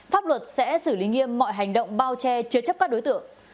pháp luật sẽ xử lý nghiêm mọi hành động bao che chứa chấp các đối tượng